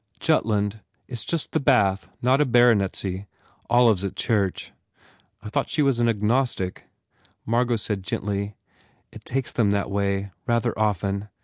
"Jutland. It s just the Bath, not a baronetcy. Olive s at church." "I thought she was agnostic?" Margot said gently, "It takes them that way, rather often.